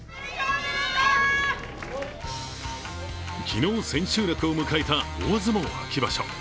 昨日千秋楽を迎えた大相撲秋場所。